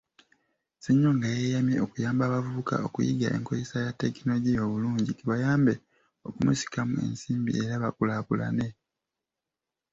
Ssenyonga yeeyamye okuyamba abavubuka okuyiga enkozesa ya tekinologiya obulungi, kibayambe okumusikamu ensimbi era bakukulaakulana.